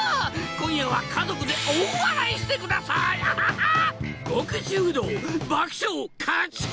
今夜は家族で大笑いしてくださいアハハ！